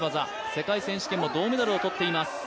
世界選手権も銅メダルをとっています。